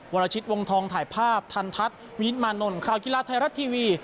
วรชิตวงทองถ่ายภาพทันทัศน์วินิตมานนท์ข่าวกีฬาไทยรัฐทีวี